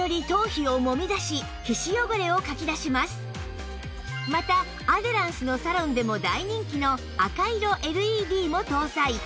これによりまたアデランスのサロンでも大人気の赤色 ＬＥＤ も搭載